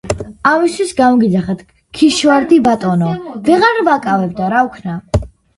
ამისთვის გამოგიძახეთ, ქიშვარდი ბატონო, ვეღარ ვაკავებ და რა ვქნა.